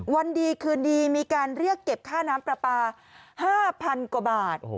วันดีคืนดีมีการเรียกเก็บค่าน้ำปลาปลา๕๐๐๐กว่าบาท